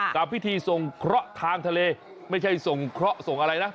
กับพิธีส่งเคราะห์ทางทะเลไม่ใช่ส่งเคราะห์ส่งอะไรนะ